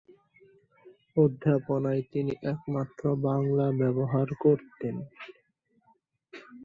অধ্যাপনায় তিনি একমাত্র বাংলা ব্যবহার করতেন।